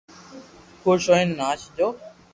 خوݾ ھئين ناچيو